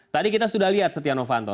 tadi kita sudah lihat setia novanto